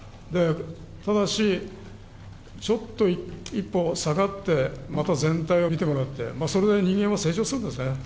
ただし、ちょっと一歩下がって、また全体を見てもらって、それなりに人間は成長するんですね。